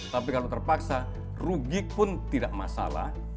tapi kalau terpaksa rugi pun tidak masalah